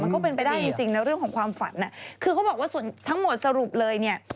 คือเขาบอกว่าส่วนทั้งหมดสรุปเลย